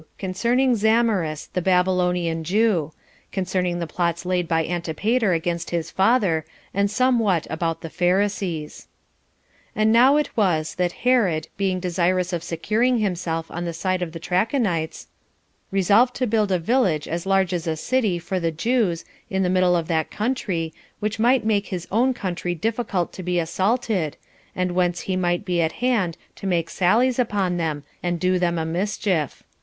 Concerning Zamaris, The Babylonian Jew; Concerning The Plots Laid By Antipater Against His Father; And Somewhat About The Pharisees. 1. And now it was that Herod, being desirous of securing himself on the side of the Trachonites, resolved to build a village as large as a city for the Jews, in the middle of that country, which might make his own country difficult to be assaulted, and whence he might be at hand to make sallies upon them, and do them a mischief.